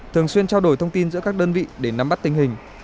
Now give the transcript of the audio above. thường xuyên trao đổi thông tin giữa các đơn vị để nắm bắt tình hình